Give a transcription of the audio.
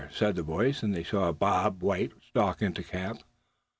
said a voice; and they saw Bob White stalk into camp.